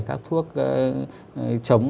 các thuốc chống